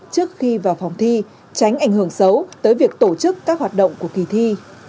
trước khi vào phòng thi tránh ảnh hưởng xấu tới việc tổ chức các hoạt động của kỳ thi